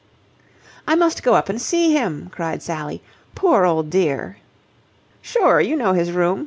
"I must go up and see him," cried Sally. "Poor old dear." "Sure. You know his room.